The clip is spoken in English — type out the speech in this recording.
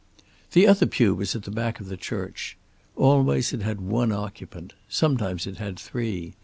The other pew was at the back of the church. Always it had one occupant; sometimes it had three.